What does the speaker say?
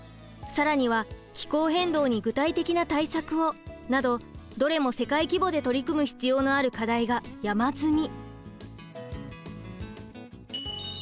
更には「気候変動に具体的な対策を」などどれも世界規模で取り組む必要のある課題が山積み。